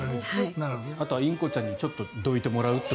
あとはインコちゃんにちょっとどいてもらうという。